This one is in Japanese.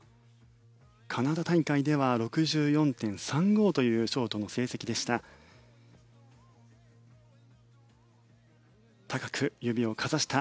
カナダ大会では６４．３５というショートの成績でした。